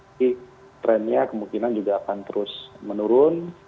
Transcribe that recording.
ini trennya kemungkinan juga akan terus menurun